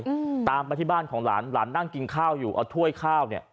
อืมตามมาที่บ้านของหลานหลานนั่งกินข้าวอยู่เอาถ้วยข้าวเนี้ย